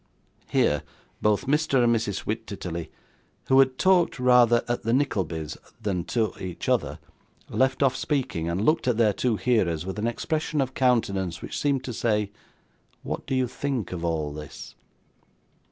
Here, both Mr. and Mrs. Wititterly, who had talked rather at the Nicklebys than to each other, left off speaking, and looked at their two hearers, with an expression of countenance which seemed to say, 'What do you think of all this?